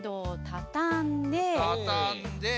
たたんで。